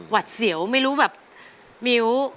วัดเสียวไม่รู้แบบมิ้ว